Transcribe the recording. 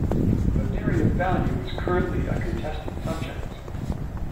The theory of value is currently a contested subject.